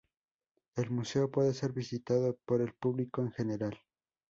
El Museo puede ser visitado por el público en general.